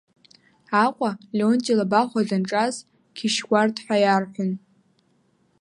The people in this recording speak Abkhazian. Аҟәа Леонти Лабахәуа данҿаз Қьышьуард ҳәа иарҳәон…